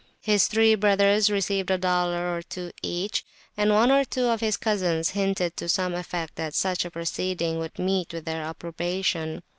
His three brothers received a dollar or two each, and one or two of his cousins hinted to some effect that such a proceeding would meet with their approbation.